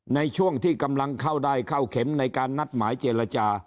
ในช่วงที่กำลังเข้าได้เข้าเข็มในการนัดหมายเจรจา